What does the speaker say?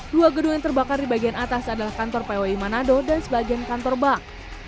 dua gedung yang terbakar di bagian atas adalah kantor pwi manado dan sebagian kantor bank